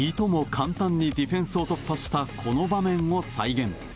簡単にディフェンスを突破したこの場面を再現。